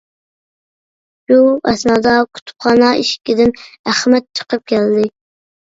شۇ ئەسنادا كۇتۇپخانا ئىشىكىدىن ئەخمەت چىقىپ كەلدى.